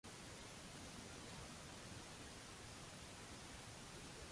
U l-veritajiet f'dan il-każ x'inhuma?